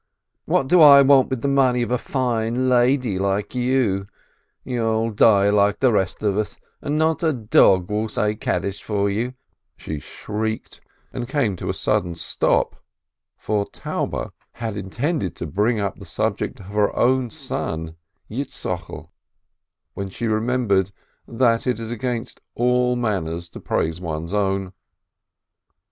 "What do I want with the money of a fine lady like you? You'll die like the rest of us, and not a dog will say Kaddish for you," she shrieked, and came to a sudden stop, for Taube had intended to bring up the A SCHOLAR'S MOTHER 515 subject of her own son Yitzchokel, when she remembered that it is against good manners to praise one's own.